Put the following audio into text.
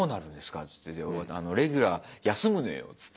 っつって「レギュラー休むのよ」っつって。